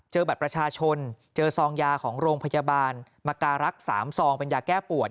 บัตรประชาชนเจอซองยาของโรงพยาบาลมการรักษาซองเป็นยาแก้ปวด